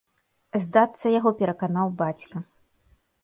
Здацца яго пераканаў бацька.